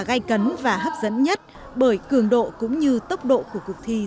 gặp mọi người